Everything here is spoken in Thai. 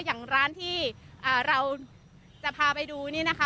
อย่างร้านที่เราจะพาไปดูนี่นะคะ